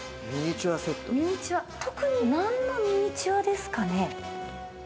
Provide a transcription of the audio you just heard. ミニチュア特に何のミニチュアですかね？